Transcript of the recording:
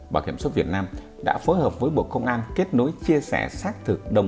bảo hiểm xuất việt nam đã phối hợp với bộ công an kết nối chia sẻ xác thực đồng bộ các dữ liệu quốc gia về bảo hiểm